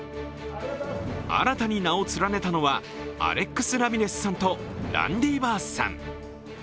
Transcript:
新たに名を連ねたのはアレックス・ラミレスさんとランディ・バースさん。